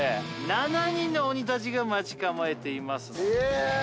７人の鬼たちが待ち構えています